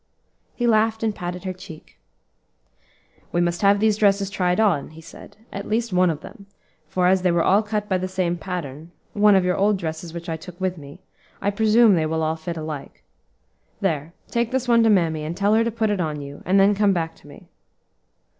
He laughed and patted her cheek. "We must have these dresses tried on," he said, "at least one of them; for as they were all cut by the same pattern one of your old dresses which I took with me I presume they will all fit alike. There, take this one to mammy, and tell her to put it on you, and then come back to me."